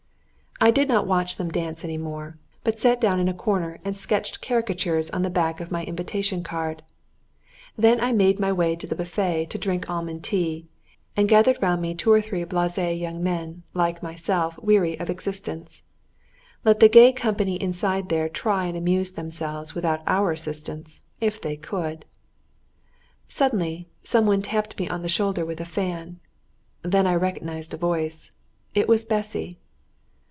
I did not watch them dance any more, but sat down in a corner and sketched caricatures on the back of my invitation card. Then I made my way to the buffet to drink almond tea, and gathered round me two or three blasé young men, like myself weary of existence. Let the gay company inside there try and amuse themselves without our assistance if they could! Suddenly some one tapped me on the shoulder with a fan, then I recognised a voice; it was Bessy.